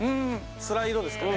スライドですかね。